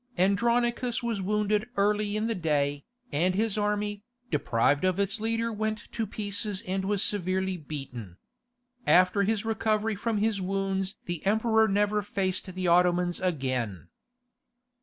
Andronicus was wounded early in the day, and his army, deprived of its leader went to pieces and was severely beaten. After his recovery from his wounds the Emperor never faced the Ottomans again.